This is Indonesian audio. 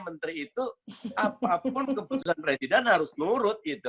menteri itu apapun keputusan presiden harus nurut